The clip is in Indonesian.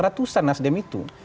ratusan nasdem itu